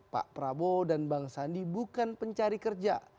pak prabowo dan bang sandi bukan pencari kerja